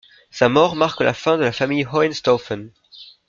Sa mort marque la fin de la famille Hohenstaufen.